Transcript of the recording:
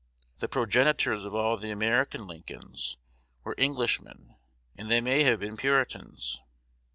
The progenitors of all the American Lincolns were Englishmen, and they may have been Puritans.